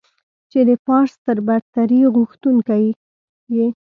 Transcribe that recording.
چې د پارس تر برتري غوښتونکو يې.